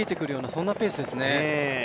そんなペースですね。